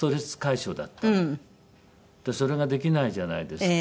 それができないじゃないですか。